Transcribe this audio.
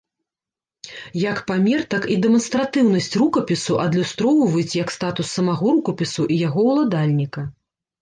Як памер, так і дэманстратыўнасць рукапісу адлюстроўваюць як статус самога рукапісу і яго уладальніка.